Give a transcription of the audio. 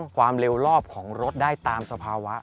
ความเร็วรอบของรถได้ตามสภาวะ